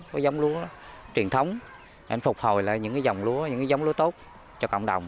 có giống lúa truyền thống ảnh phục hồi lại những cái giống lúa những cái giống lúa tốt cho cộng đồng